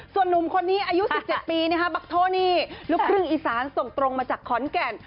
ส่วนนุ่มคนนี้อายุ๑๗ปีบักโทนี่ลูกครึ่งอีสานส่งตรงมาจากขอนแก่น